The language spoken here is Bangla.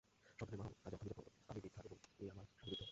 সন্তানের মা হব আমি যখন আমি বৃদ্ধা এবং এই আমার স্বামী বৃদ্ধ!